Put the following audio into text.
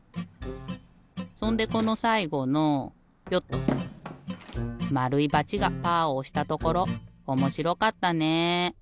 そんでこのさいごのよっとまるいバチがパーをおしたところおもしろかったね。